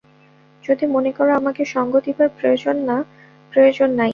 যদি মনে কর আমাকে সঙ্গ দিবার প্রয়োজন–না, প্রয়োজন নাই।